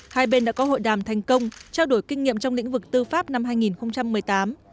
hai bên đã có hội đàm thành công trao đổi kinh nghiệm trong lĩnh vực tư pháp năm hai nghìn một mươi tám